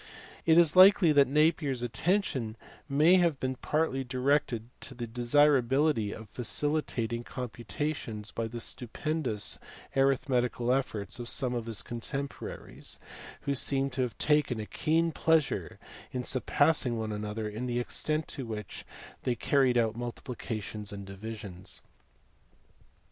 It is likely that Napier s attention may have been partly directed to the desirability of facilitating computations by the stupendous arithmetical efforts of some of his contemporaries, who seem to have taken a keen pleasure in surpassing one another in the extent to which they carried multiplications and divisions.